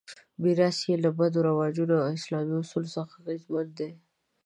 میراث یې له بدوي رواجونو او اسلامي اصولو څخه اغېزمن دی.